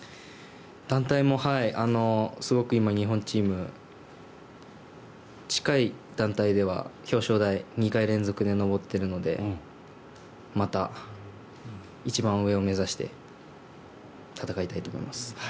団体もすごく今日本チーム、近い団体では表彰台２回連続で上っているのでまた、一番上を目指して戦いたいと思います。